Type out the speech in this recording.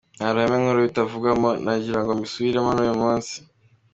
Nta ruhame nk’uru bitavugwamo, nagira ngo mbisubiremo n’uyu munsi.